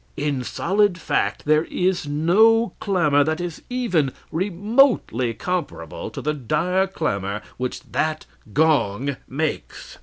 In solid fact, there is no clamor that is even remotely comparable to the dire clamor which that gong makes.